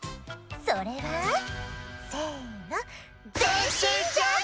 それは？せの。